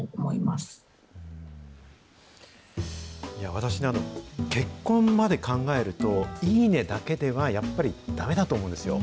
私など、結婚まで考えると、いいねだけではやっぱりだめだと思うんですよ。